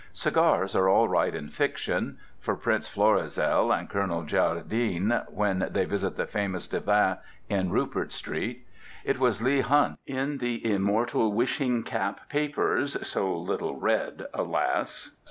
Cigars are all right in fiction: for Prince Florizel and Colonel Géraldine when they visit the famous Divan in Rupert Street. It was Leigh Hunt, in the immortal Wishing Cap Papers (so little read, alas!)